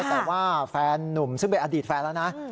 แต่ว่าแฟนนุ่มซึ่งเป็นอดีตแฟนแล้วนะ